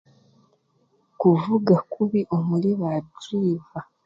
Kuvuga kubi omuri ba duriva.